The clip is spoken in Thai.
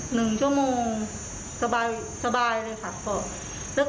หนึ่งชั่วโมงสบายเลยค่ะ